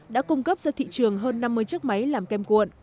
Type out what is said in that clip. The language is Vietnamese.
đã cung cấp ra thị trường hơn năm mươi chiếc máy làm kem cuộn